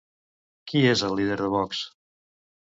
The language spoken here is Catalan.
Qui és el líder de Vox?